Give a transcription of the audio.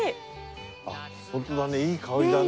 あっホントだねいい香りだね。